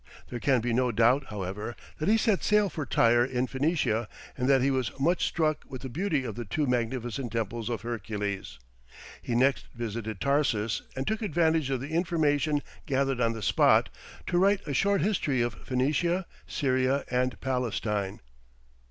There can be no doubt, however, that he set sail for Tyre in Phoenicia, and that he was much struck with the beauty of the two magnificent temples of Hercules. He next visited Tarsus and took advantage of the information gathered on the spot, to write a short history of Phoenicia, Syria, and Palestine.